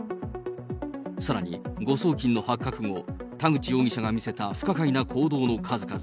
さらに誤送金の発覚後、田口容疑者が見せた不可解な行動の数々。